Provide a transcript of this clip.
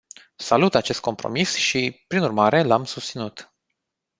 Salut acest compromis și, prin urmare, l-am susținut.